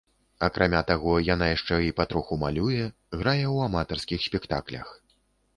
Акрамя таго, яна яшчэ і патроху малюе, грае ў аматарскіх спектаклях.